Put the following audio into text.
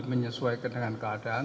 menyesuaikan dengan keadaan